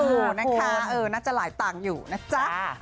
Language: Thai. วันวาเลนไทยแล้วค่ะ